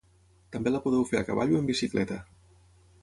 També la podeu fer a cavall o en bicicleta